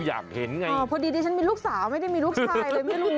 อยากเห็นไงอ๋อพอดีดิฉันมีลูกสาวไม่ได้มีลูกชายเลยไม่รู้